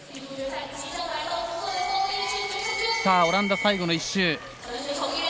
オランダ、最後の１周。